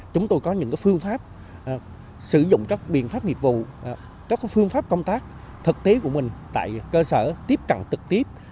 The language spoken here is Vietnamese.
chúng tôi có những phương pháp sử dụng các biện pháp nghiệp vụ các phương pháp công tác thực tế của mình tại cơ sở tiếp cận trực tiếp